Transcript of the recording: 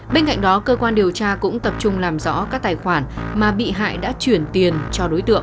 bên cạnh đó cơ quan điều tra cũng tập trung làm rõ các tài khoản mà bị hại đã chuyển tiền cho đối tượng